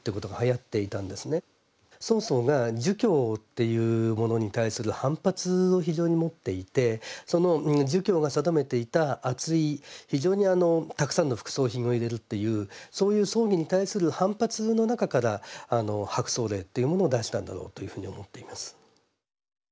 曹操が儒教というものに対する反発を非常に持っていてその儒教が定めていたあつい非常にたくさんの副葬品を入れるというそういう葬儀に対する反発の中から「薄葬令」というものを出したんだろうと思っています。